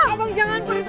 abang jangan pergi